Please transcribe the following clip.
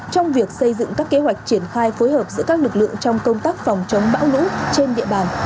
trong việc xây dựng các kế hoạch triển khai phối hợp giữa các lực lượng trong công tác phòng chống bão lũ trên địa bàn